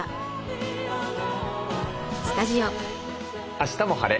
「あしたも晴れ！